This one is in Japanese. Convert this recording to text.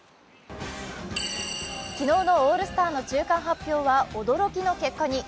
昨日のオールスターの中間発表は驚きの結果に。